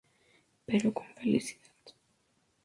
Pero con felicidad.